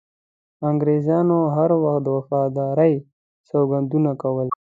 انګریزانو هر وخت د وفادارۍ سوګندونه کول.